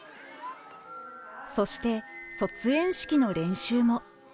そして卒園式の練習も。